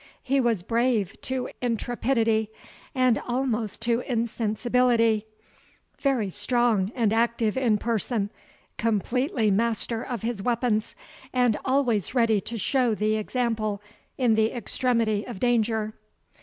He was brave to intrepidity, and almost to insensibility; very strong and active in person, completely master of his weapons, and always ready to show the example in the extremity of danger.